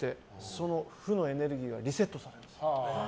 その負のエネルギーがリセットされるんです。